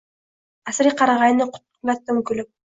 Asriy qarag’ayni qulatdim kulib